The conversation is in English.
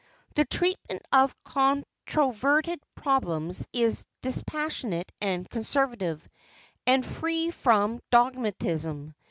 The treatment of controverted problems is dispassionate and conservative, and free from dogmatism.